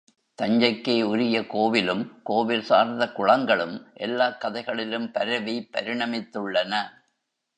தஞ்சைக்கே உரிய கோவிலும், கோவில் சார்ந்த குளங்களும் எல்லாக்கதைகளிலும் பரவி பரிணமித்துள்ளன.